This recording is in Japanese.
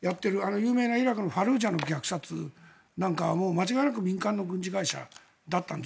有名なイラクのファルージャの虐殺なんかは間違いなく民間の軍事会社だったんです。